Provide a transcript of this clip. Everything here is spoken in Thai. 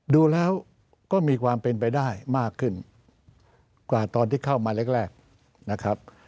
ดูแล้วก็มีความเป็นไปได้มากขึ้นกว่าตอนที่เข้ามาแรกนะครับ